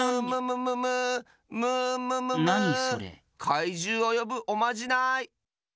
かいじゅうをよぶおまじない！